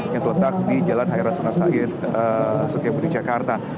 yang terletak di jalan haira sunasahit sekipun jakarta